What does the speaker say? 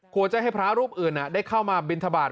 จะให้พระรูปอื่นได้เข้ามาบินทบาท